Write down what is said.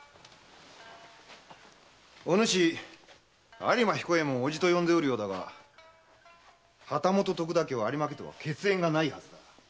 有馬彦右衛門を伯父と呼んでおるようだが旗本・徳田家は有馬家とは血縁がないはずだ。